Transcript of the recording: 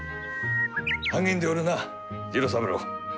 励んでおるな次郎三郎。